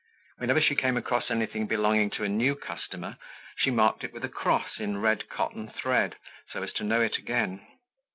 Whenever she came across anything belonging to a new customer, she marked it with a cross in red cotton thread so as to know it again.